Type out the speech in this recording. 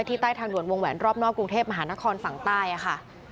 ใต้ทางด่วนวงแหวนรอบนอกกรุงเทพมหานครฝั่งใต้ค่ะ